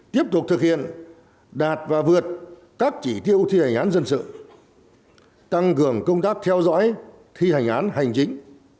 tiếp tục thực hiện đạt và vượt các chỉ tiêu thi hành án dân sự tăng cường công tác theo dõi thi hành án hành chính